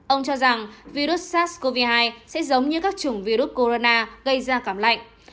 ông cho rằng virus sars cov hai sẽ giống như các chủng virus corona gây ra cảm lạnh